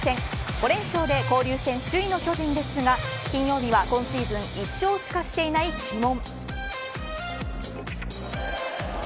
５連勝で交流戦首位の巨人ですが金曜日は今シーズン一勝しかしていない鬼門。